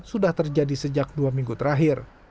sudah terjadi sejak dua minggu terakhir